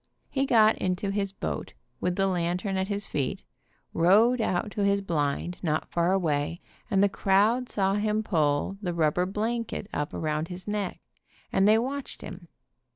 He got into his boat, with the lantern at his feet, rowed out to his blind not far away, and the crowd saw him pull the rubber blanket up around his neck, and they watched him.